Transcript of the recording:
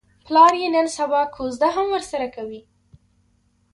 پلار یې نن سبا کوزده هم ورسره کوي.